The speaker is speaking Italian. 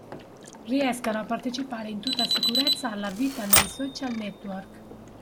Riescano a partecipare in tutta sicurezza alla vita nei Social Network.